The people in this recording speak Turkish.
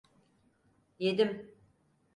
Yedim.